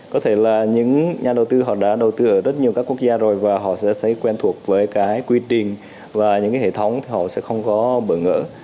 có thể là những nhà đầu tư họ đã đầu tư ở rất nhiều các quốc gia rồi và họ sẽ thấy quen thuộc với cái quy trình và những cái hệ thống thì họ sẽ không có bỡ ngỡ